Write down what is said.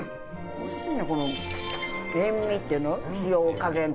おいしい！